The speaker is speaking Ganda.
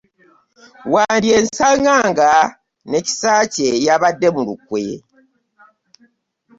Wandyesanga nga ne Kisakye yabadde mu lukwe.